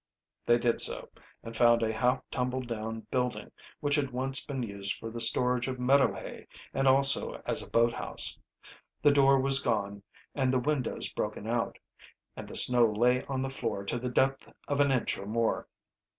They did so, and found a half tumbled down building, which had once been used for the storage of meadow hay and also as a boathouse. The door was gone and the window broken out, and the snow lay on the floor to the depth of an inch or more.